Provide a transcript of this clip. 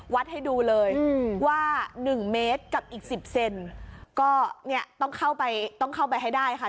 ให้ดูเลยว่าหนึ่งเมตรกับอีกสิบเซนก็เนี่ยต้องเข้าไปต้องเข้าไปให้ได้ค่ะ